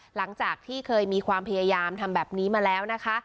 หลังจากที่เคยมีความพยายามทำแบบนี้มาแล้วนะคะ